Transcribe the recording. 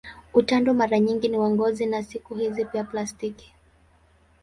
Utando mara nyingi ni wa ngozi na siku hizi pia plastiki.